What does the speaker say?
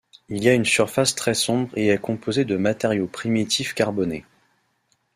Il a une surface très sombre et est composé de matériaux primitifs carbonés.